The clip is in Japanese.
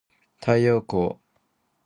太陽光